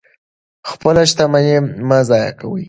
خپله شتمني مه ضایع کوئ.